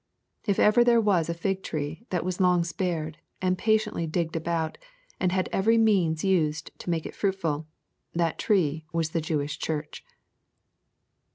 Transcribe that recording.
If ever there was a fig tree that was long spared, and pa tiently digged about) and had every means used to make it firuitful, that tree was the Jewish Church.